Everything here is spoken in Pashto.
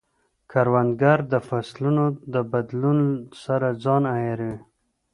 کروندګر د فصلونو د بدلون سره ځان عیاروي